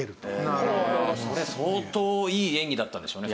それ相当いい演技だったんでしょうね。